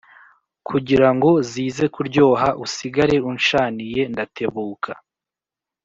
kugira ngo zize kuryoha, usigare unshaniye ndatebuka.